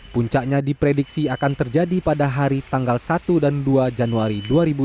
puncaknya diprediksi akan terjadi pada hari tanggal satu dan dua januari dua ribu dua puluh